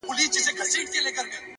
غربت مي شپې يوازي کړيدي تنها يمه زه؛